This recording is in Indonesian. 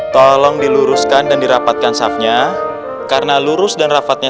tolong diluruskan dan dirapatkan safnya karena lurus dan rapatnya